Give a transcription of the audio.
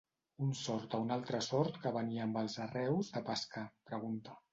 Un sord a un altre sord que venia amb els arreus de pescar, pregunta: